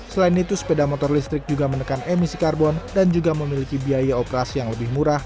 selain itu sepeda motor listrik juga menekan emisi karbon dan juga memiliki biaya operasi yang lebih murah